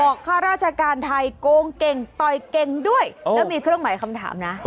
ข้าราชการไทยโกงเก่งต่อยเก่งด้วยแล้วมีเครื่องหมายคำถามนะ